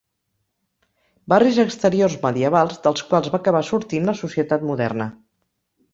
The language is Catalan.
Barris exteriors medievals dels quals va acabar sortint la societat moderna.